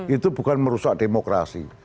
itu bukan merusak demokrasi